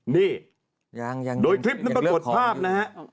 นี่โดยคลิปนั้นปรากฏภาพนะฮะ